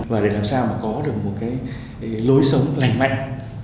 và để làm sao có được một lối sống lành mạnh